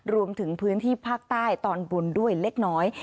รวมถึงพื้นที่ภาคใต้ตอนบนด้วยเล็กน้อย